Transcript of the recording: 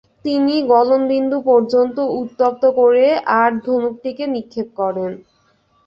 তিনি গলনবিন্দু পর্যন্ত উত্তপ্ত করে আড়ধনুকটিকে নিক্ষেপ করেন।